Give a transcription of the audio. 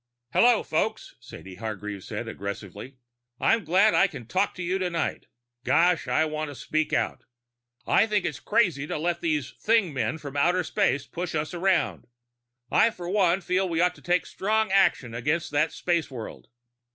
_ "Hello, folks," Sadie Hargreave said aggressively. "I'm glad I can talk to you tonight. Gosh, I want to speak out. I think it's crazy to let these thing men from outer space push us around. I for one feel we ought to take strong action against that space world."